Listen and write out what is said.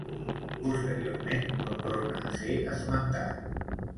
Posteriorment no torna a ser esmentat.